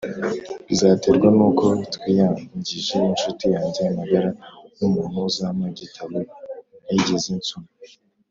bizaterwa nuko twiyangije .inshuti yanjye magara numuntu uzampa igitabo ntigeze nsoma